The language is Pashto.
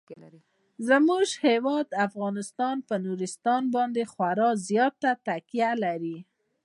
زموږ هیواد افغانستان په نورستان باندې خورا زیاته تکیه لري.